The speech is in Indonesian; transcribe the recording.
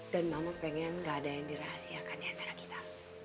dan mama pengen gak ada yang dirahasiakannya antara kita